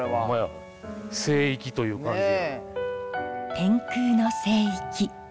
天空の聖域